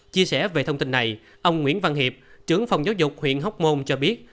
chia sẻ về thông tin này ông nguyễn văn hiệp trưởng phòng giáo dục huyện hóc môn cho biết